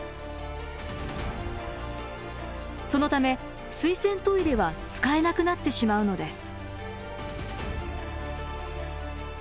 そのため水洗トイレは使えなくなってしまうのです。